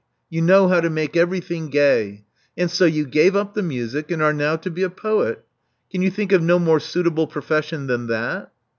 You know how to make everything gay. And so you gave up the music, and are now to be a poet. Can you think of no more suitable profession than that?"